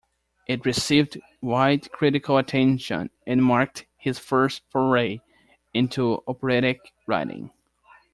It received wide critical attention and marked his first foray into operatic writing.